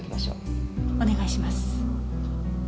お願いします。